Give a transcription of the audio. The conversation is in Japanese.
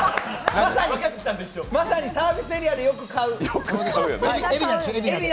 まさに、まさにサービスエリアでよく買う、海老名！